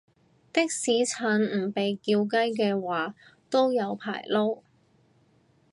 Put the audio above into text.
的士陳唔被叫雞嘅話都有排撈